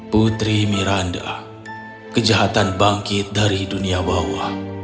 putri miranda kejahatan bangkit dari dunia bawah